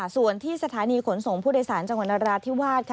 ส่วนที่สถานีขนส่งผู้โดยสารจังหวัดนราธิวาส